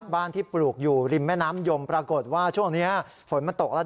ที่ปลูกอยู่ริมแม่น้ำยมปรากฏว่าช่วงนี้ฝนมันตกแล้ว